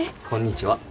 こんにちは。